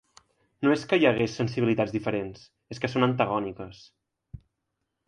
No és que hi hagués sensibilitats diferents, és que són antagòniques.